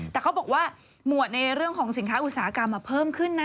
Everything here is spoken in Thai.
แต่เขาบอกว่าหมวดในเรื่องของสินค้าอุตสาหกรรมเพิ่มขึ้นนะ